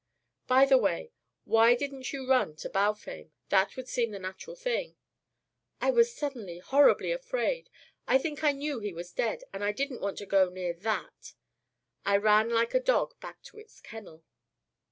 By the way, why didn't you run to Balfame? That would seem the natural thing " "I was suddenly horribly afraid. I think I knew he was dead and I didn't want to go near that. I ran like a dog back to its kennel."